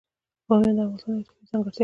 بامیان د افغانستان یوه طبیعي ځانګړتیا ده.